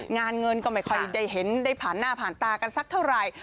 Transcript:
งานเงินก็ไม่ได้เห็นผ่าหน้าผ่านตากันสักเท่าไร